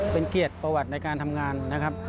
เป็นเกียรติประวัติในการทำงานนะครับ